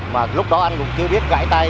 mà lúc đó anh cũng kêu biết gãy tay